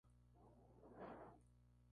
En cada esquina hay una torre saliente.